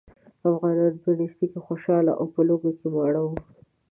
افغانان په نېستۍ کې خوشاله او په لوږه کې ماړه وو.